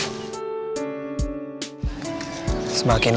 tuhan tidak bisa untuk number one